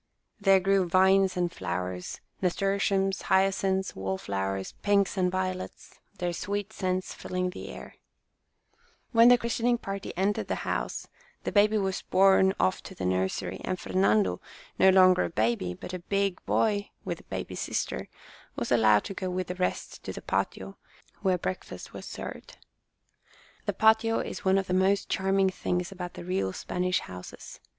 There grew vines and flowers, nasturtiums, hyacinths, wallflow ers, pinks and violets, their sweet scents filling the air, When the christening party entered the house, the baby was borne off to the nursery, and Fernando, no longer a baby, but a big 8 Our Little Spanish Cousin boy with a baby sister, was allowed to go with the rest to the patio, where breakfast was served. The patio is one of the most charming things about the real Spanish houses.